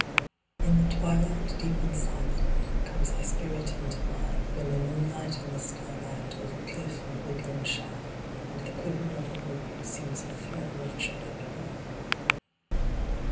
In the twilight deep and silent Comes thy spirit unto mine, When the moonlight and the starlight Over cliff and woodland shine, And the quiver of the river Seems a thrill of joy benign.